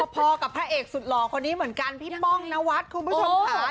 พอกับพระเอกสุดหล่อคนนี้เหมือนกันพี่ป้องนวัดคุณผู้ชมค่ะ